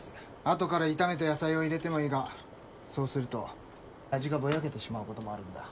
あとから炒めた野菜を入れてもいいがそうすると味がぼやけてしまうこともあるんだ。